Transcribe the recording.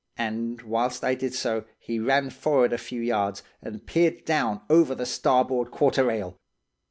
And whilst I did so, he ran forrard a few yards, and peered down over the starboard quarter rail.